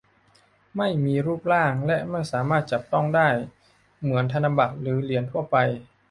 ไม่มีรูปร่างและไม่สามารถจับต้องได้เหมือนธนบัตรหรือเหรียญทั่วไป